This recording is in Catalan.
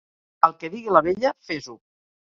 El que digui la vella, fes-ho.